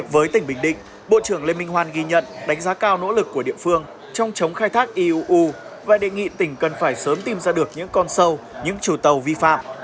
với tỉnh bình định bộ trưởng lê minh hoan ghi nhận đánh giá cao nỗ lực của địa phương trong chống khai thác iuu và đề nghị tỉnh cần phải sớm tìm ra được những con sâu những trù tàu vi phạm